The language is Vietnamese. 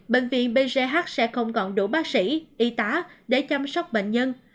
bệnh viện bch sẽ không còn đủ bác sĩ y tá để chăm sóc bệnh nhân